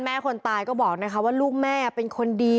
แม่คนตายก็บอกว่าลูกแม่เป็นคนดี